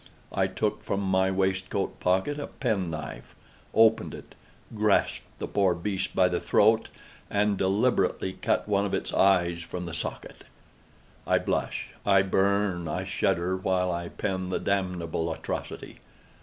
I took from my waistcoat pocket a pen knife, opened it, grasped the poor beast by the throat, and deliberately cut one of its eyes from the socket! I blush, I burn, I shudder, while I pen the damnable atrocity.